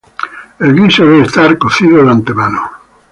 El guiso debe estar cocido de antemano.